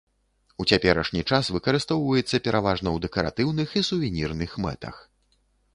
У цяперашні час выкарыстоўваецца пераважна ў дэкаратыўных і сувенірных мэтах.